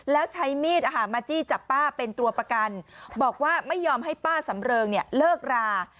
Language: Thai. แล้วใช้มีดมาจี้จับป้าเป็นตัวประกันบอกว่าไม่ยอมให้ป้าสำเริงเนี่ยเลิกรา